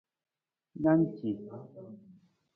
Na ng ci.